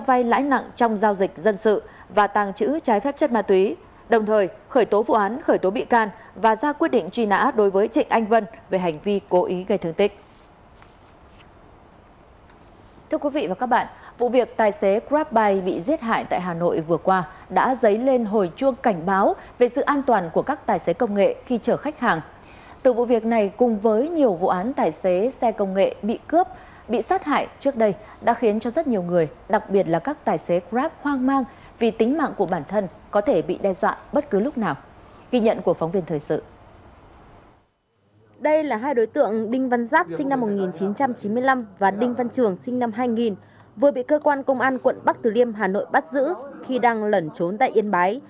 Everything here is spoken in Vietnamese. đây là hai đối tượng đinh văn giáp sinh năm một nghìn chín trăm chín mươi năm và đinh văn trường sinh năm hai nghìn vừa bị cơ quan công an quận bắc từ liêm hà nội bắt giữ khi đang lẩn trốn tại yên bái